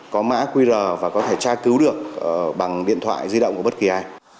có mã qr và có thể tra cứu được bằng điện thoại di động của bất kỳ ai